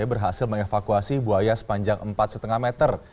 berhasil mengevakuasi buaya sepanjang empat lima meter